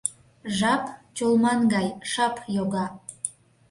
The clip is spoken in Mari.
Жап Чолман гай шап йога.